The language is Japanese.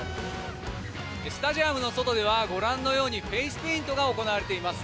スタジアムの外ではご覧のようにフェースペイントが行われています。